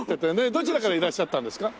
どちらからいらっしゃったんですか？